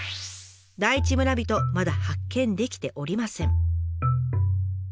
第一村人まだ発見できておりません。